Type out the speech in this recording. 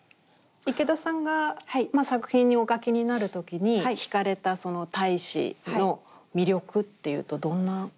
池田さんが作品にお描きになるときにひかれたその太子の魅力っていうとどんな？